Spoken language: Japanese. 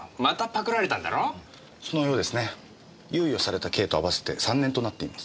猶予された刑と併わせて３年となっています。